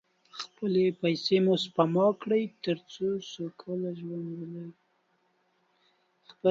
خپلې پیسې مو سپما کړئ، تر څو سوکاله ژوند ولرئ.